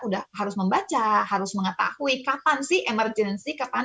udah harus membaca harus mengetahui kapan sih emergency